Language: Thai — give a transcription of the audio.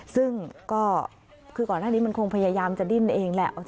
ซึ่งก็คือก่อนหน้านี้มันคงพยายามจะดิ้นเองแหละ